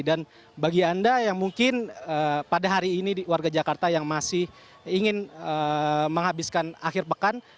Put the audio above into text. dan bagi anda yang mungkin pada hari ini warga jakarta yang masih ingin menghabiskan akhir pekan